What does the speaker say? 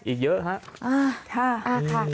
อีกเยอะครับ